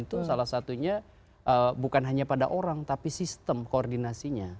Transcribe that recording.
itu salah satunya bukan hanya pada orang tapi sistem koordinasinya